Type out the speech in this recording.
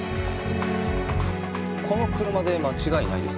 この車で間違いないですか？